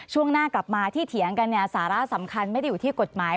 ช่วงหน้ากลับมาที่เถียงกันเนี่ยสาระสำคัญไม่ได้อยู่ที่กฎหมาย